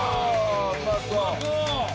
うまそう！